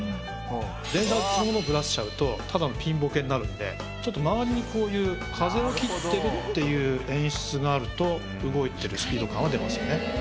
電車そのものをブラしちゃうとただのピンぼけになるんで周りにこういう風を切ってるっていう演出があると動いてるスピード感は出ますよね。